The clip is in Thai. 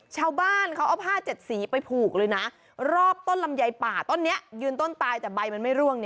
ชาวบ้านเขาเอาผ้าเจ็ดสีไปผูกเลยนะรอบต้นลำไยป่าต้นนี้ยืนต้นตายแต่ใบมันไม่ร่วง